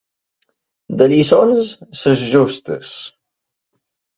De lliçons, les justes.